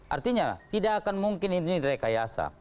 artinya tidak akan mungkin ini direkayasa